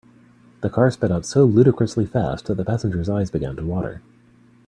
The car sped up so ludicrously fast that the passengers eyes began to water.